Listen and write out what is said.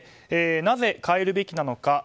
なぜ変えるべきなのか